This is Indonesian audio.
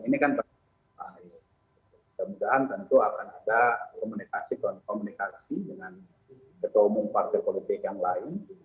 dan ini kan kemudian tentu akan ada komunikasi dengan ketua umum partai politik yang lain